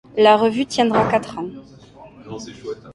La revue tiendra quatre ans.